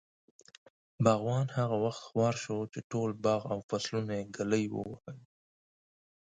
باغوان هغه وخت خوار شو، چې ټول باغ او فصلونه ږلۍ ووهل.